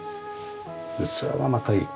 器がまたいい。